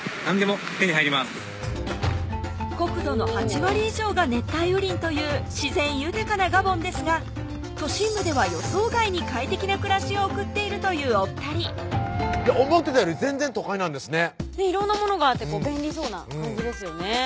国土の８割以上が熱帯雨林という自然豊かなガボンですが都心部では予想外に快適な暮らしを送っているというお２人思ってたより全然都会なんですね色んなものがあって便利そうな感じですよね